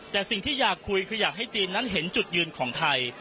แต่สิ่งที่อยากคุยคืออยากให้จีนนั้นเห็นจุดยืนของไทย